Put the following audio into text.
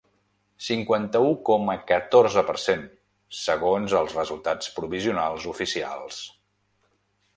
Cinquanta-u coma catorze per cent, segons els resultats provisionals oficials.